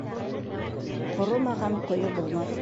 Ҡоромаған ҡойо булмаҫ.